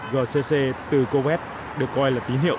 gcc từ kuwait được coi là tín hiệu